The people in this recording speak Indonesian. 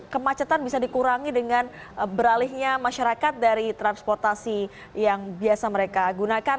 kemacetan bisa dikurangi dengan beralihnya masyarakat dari transportasi yang biasa mereka gunakan